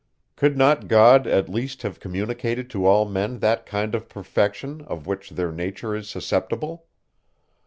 Could not God, at least, have communicated to all men that kind of perfection, of which their nature is susceptible?